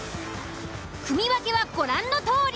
組分けはご覧のとおり。